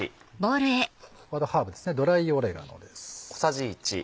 ハーブですねドライオレガノです。